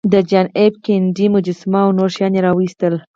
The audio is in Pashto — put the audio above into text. د جان ایف کینیډي مجسمه او نور شیان یې راویستل